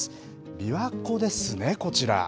びわ湖ですね、こちら。